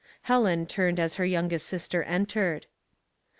Helen turned as her youngest sister entered.